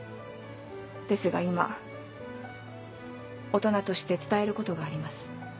ですが今大人として伝えることがあります。